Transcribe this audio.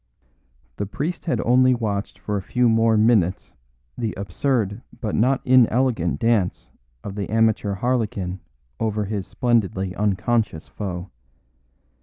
The priest had only watched for a few more minutes the absurd but not inelegant dance of the amateur harlequin over his splendidly unconscious foe.